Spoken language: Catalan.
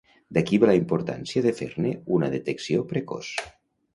D'aquí ve la importància de fer-ne una detecció precoç.